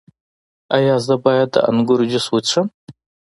ایا زه باید د انګور جوس وڅښم؟